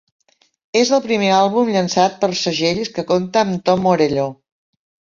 És el primer àlbum llançat per segells que compta amb Tom Morello.